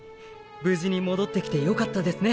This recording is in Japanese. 無事に戻ってきてよかったですね